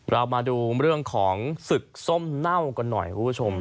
เรามาดูเรื่องของศึกส้มเน่ากันหน่อยคุณผู้ชม